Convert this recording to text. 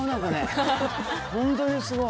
ホントにすごい。